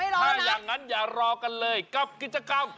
ถ้าอย่างนั้นอย่ารอกันเลยกับกิจกรรม